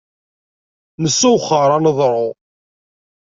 Nessewxer aneḍru.